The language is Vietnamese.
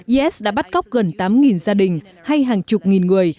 is đã bắt cóc gần tám gia đình hay hàng chục nghìn người